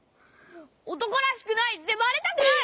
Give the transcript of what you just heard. おとこらしくないってバレたくない！